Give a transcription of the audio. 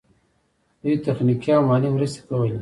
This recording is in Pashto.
دوی تخنیکي او مالي مرستې کولې.